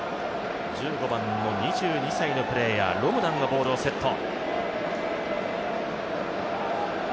１５番の２２歳のプレーヤー、ロムダンがボールをセット。